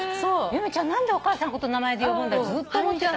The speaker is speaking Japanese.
由美ちゃん何でお母さんのこと名前で呼ぶんだって思ってた。